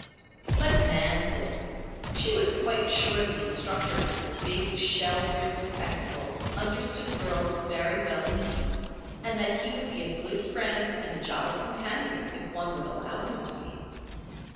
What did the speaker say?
But Nan did. She was quite sure the instructor with the big, shell rimmed spectacles, understood girls very well indeed, and that he would be a good friend and a jolly companion if one would allow him to be.